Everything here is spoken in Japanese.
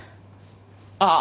ああ。